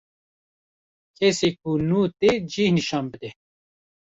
Kesî ku nû tê cih nişan bide